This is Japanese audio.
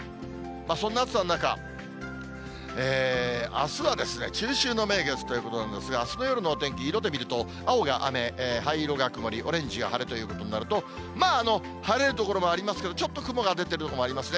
そんな暑さの中、あすはですね、中秋の名月ということなんですが、あすの夜のお天気、色で見ると、青が雨、灰色が曇り、オレンジが晴れということになると、まあ、晴れる所もありますけれども、ちょっと雲が出てる所もありますね。